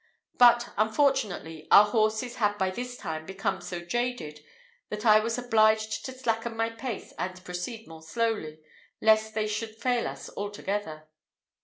But, unfortunately, our horses had by this time become so jaded, that I was obliged to slacken my pace and proceed more slowly, lest they should fail us altogether.